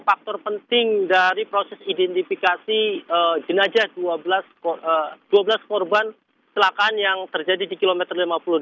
faktor penting dari proses identifikasi jenazah seribu dua ratus dua belas korban kecelakaan yang terjadi di kilometer